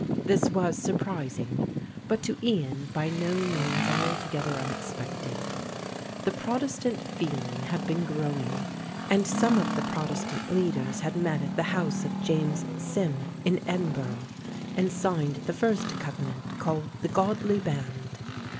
This was surprising, but to Ian by no means altogether unexpected. The Protestant feeling had been growing and some of the Protestant leaders had met at the house of James Sym in Edinburgh and signed the first covenant, called the "Godlie Band."